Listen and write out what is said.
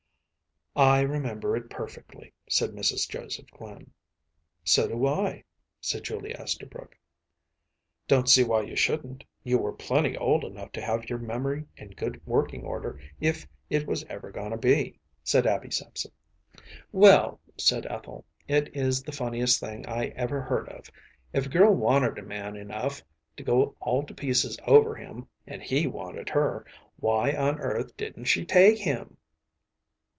‚ÄĚ “I remember it perfectly,‚ÄĚ said Mrs. Joseph Glynn. “So do I,‚ÄĚ said Julia Esterbrook. “Don’t see why you shouldn’t. You were plenty old enough to have your memory in good working order if it was ever going to be,‚ÄĚ said Abby Simson. ‚ÄúWell,‚ÄĚ said Ethel, “it is the funniest thing I ever heard of. If a girl wanted a man enough to go all to pieces over him, and he wanted her, why on earth didn’t she take him?